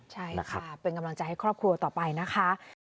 ใช่ค่ะเป็นกำลังใจให้ครอบครัวต่อไปนะคะ